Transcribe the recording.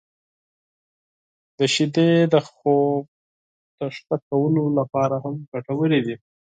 • شیدې د خوب د ښه کولو لپاره هم ګټورې دي.